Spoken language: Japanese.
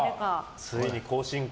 ついに更新か。